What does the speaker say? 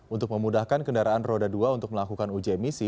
untuk memudahkan kendaraan roda dua untuk melakukan uji emisi